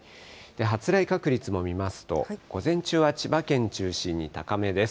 発雷確率も見ますと、午前中は千葉県中心に高めです。